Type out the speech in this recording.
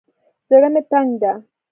زړه مې تنګ دى.